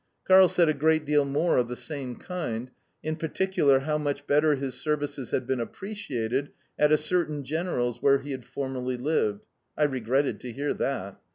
Karl said a great deal more of the same kind in particular how much better his services had been appreciated at a certain general's where he had formerly lived (I regretted to hear that).